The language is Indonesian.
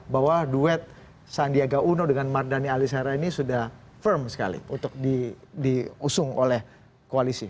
bahwa duet sandiaga uno dengan mardhani alisera ini sudah firm sekali untuk diusung oleh koalisi